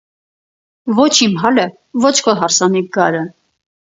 Ոչ իմ հալը, ոչ քո հարսանիք գալը: